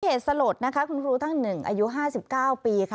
เหตุสลดนะคะคุณครูท่านหนึ่งอายุ๕๙ปีค่ะ